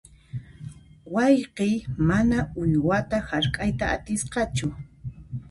Wayqiy mana uywata hark'ayta atisqachu.